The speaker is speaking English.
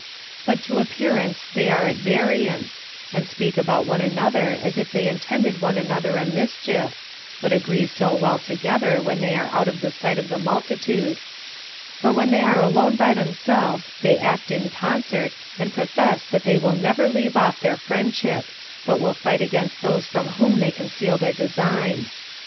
But to appearance they are at variance, and speak about one another as if they intended one another a mischief, but agree so well together when they are out of the sight of the multitude; for when they are alone by themselves, they act in concert, and profess that they will never leave off their friendship, but will fight against those from whom they conceal their designs.